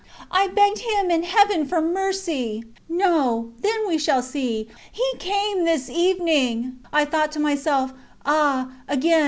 I begged him and Heaven for mercy. ... No! ... Then we shall see. ... He came this evening. I thought to myself: Ah! again!